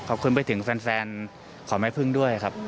ขอบคุณไปถึงแฟนของแม่พึ่งด้วยครับ